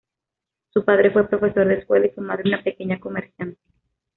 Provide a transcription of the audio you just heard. Su padre fue profesor de escuela y su madre una pequeña comerciante.